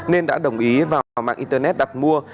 nên đã đồng ý vào mạng internet đặt mua